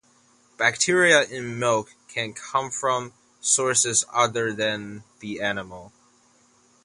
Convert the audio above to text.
Bacteria in milk can come from sources other than the animal.